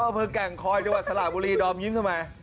อำเภอแก่งคอยจังหวัดสระบุรีดอมยิ้มทำไม